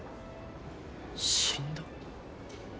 死んだ？